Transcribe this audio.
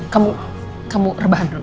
kamu kamu rebahan dulu